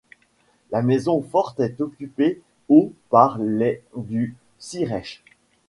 La maison forte est occupée au par les du Sirech.